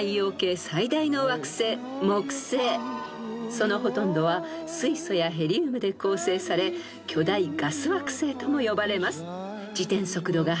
［そのほとんどは水素やヘリウムで構成され巨大ガス惑星とも呼ばれます］